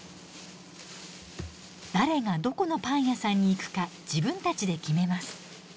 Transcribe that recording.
誰がどこのパン屋さんに行くか自分たちで決めます。